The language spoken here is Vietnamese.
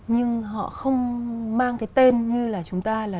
nhưng họ không mang cái tên như là chúng ta là